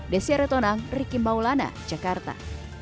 desyaretonang rikim maulana jakarta